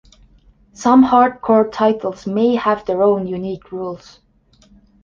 Some hardcore titles may have their own unique rules.